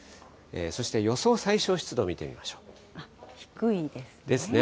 そして予想最小湿度見てみましょう。ですね。